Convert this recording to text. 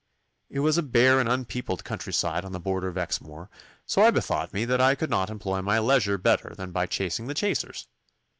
It was a bare and unpeopled countryside on the border of Exmoor, so I bethought me that I could not employ my leisure better than by chasing the chasers.